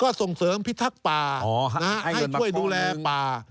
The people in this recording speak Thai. ก็ส่งเสริมพิทักษ์ป่าให้ช่วยดูแลป่า